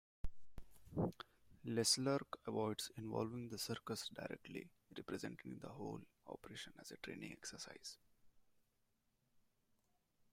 Leclerc avoids involving The Circus directly, representing the whole operation as a training exercise.